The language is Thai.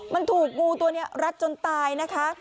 มันถูกงูตัวนี้รัดจนตายนะคะ